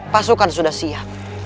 pasukan sudah siap